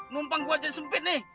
numpang gua jadi sempit nih